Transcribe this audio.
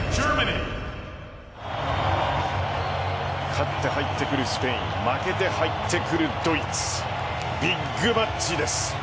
勝って入ってくるスペイン負けて入ってくるドイツビッグマッチです。